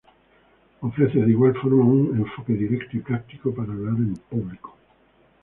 Ofrece de igual forma un enfoque directo y práctico para hablar en público.